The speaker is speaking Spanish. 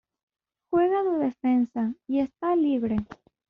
Juega de defensa y esta libre.